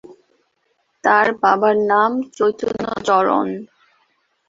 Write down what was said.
তার বাবার নাম চৈতন্যচরণ।